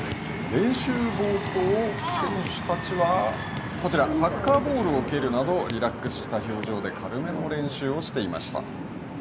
練習冒頭、選手たちは、こちらサッカーボールを蹴るなどリラックスした表情で軽めの練習をしていました。